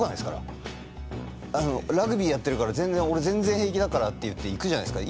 ラグビーやってるから俺全然平気だからっていって行くじゃないですか。